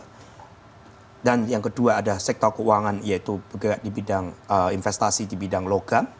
hai dan yang kedua ada sektor keuangan yaitu bergerak di bidang investasi di bidang logam